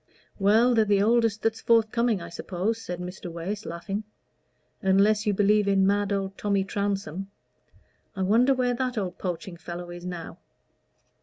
"Well, they're the oldest that's forthcoming, I suppose," said Mr. Wace, laughing. "Unless you believe in mad old Tommy Trounsem. I wonder where that old poaching fellow is now."